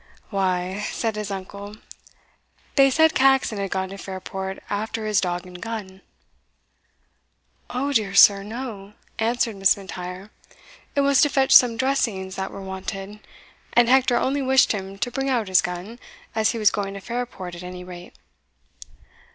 "Why," said his uncle, "they said Caxon had gone to Fairport after his dog and gun." "O dear sir, no," answered Miss M'Intyre, "it was to fetch some dressings that were wanted, and Hector only wished him to bring out his gun, as he was going to Fairport at any rate."